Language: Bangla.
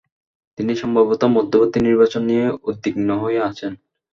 তিনি সম্ভবত মধ্যবর্তী নির্বাচন নিয়ে উদ্বিগ্ন হয়ে আছেন।